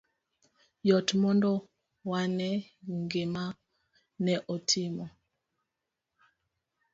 Yot mondo one gima ne otimo